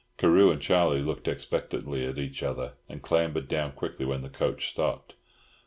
Carew and Charlie looked expectantly at each other, and clambered down quickly when the coach stopped.